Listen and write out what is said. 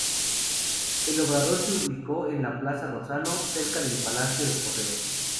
El obrador se ubicó en la Plaza Razzano, cercano al Palacio de Correos.